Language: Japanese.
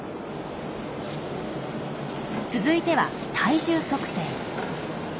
続いては体重測定。